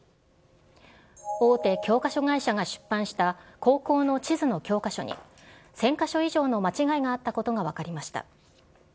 大手教科書会社が出版した高校の地図の教科書に、１０００か所以上の間違いがあったことが分かりました。